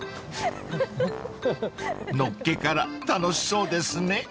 ［のっけから楽しそうですね］